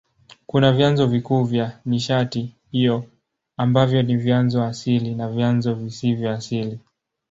Kuna vyanzo vikuu vya nishati hiyo ambavyo ni vyanzo asili na vyanzo visivyo asili.